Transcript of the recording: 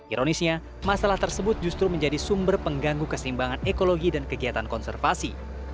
ironisnya masalah tersebut justru menjadi sumber pengganggu kesimbangan ekologi dan kegiatan konservasi